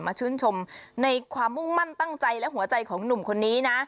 ชื่นชมในความมุ่งมั่นตั้งใจและหัวใจของหนุ่มคนนี้นะ